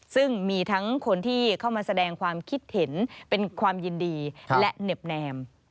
ซึ่งมีทั้งคนที่เข้ามาแสดงความคิดเห็นเป็นความยินดีและเน็บแนม